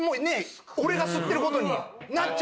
俺が吸ってることになっちゃう。